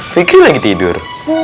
fikri lagi tidur